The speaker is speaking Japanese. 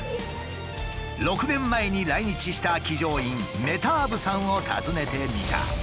６年前に来日した騎乗員メターブさんを訪ねてみた。